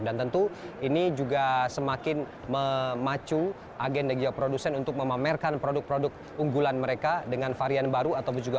dan tentu ini juga semakin memacu agen dan juga produsen untuk memamerkan produk produk unggulan mereka dengan varian baru